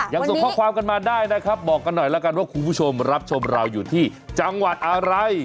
ส่งข้อความกันมาได้นะครับบอกกันหน่อยแล้วกันว่าคุณผู้ชมรับชมเราอยู่ที่จังหวัดอะไร